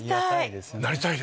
なりたい！